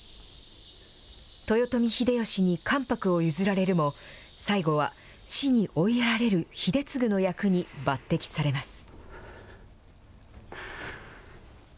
豊臣秀吉に関白を譲られるも、最期は死に追いやられる秀次の役に抜てきされます。